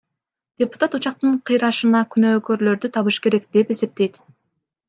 Депутат учактын кыйрашына күнөөкөрлөрдү табыш керек деп эсептейт.